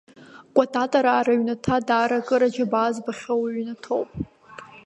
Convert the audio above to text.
Кәататраа рыҩнаҭа даара акыр аџьабаа збахьоу ҩнаҭоуп.